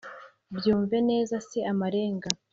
byumve neza si amarenga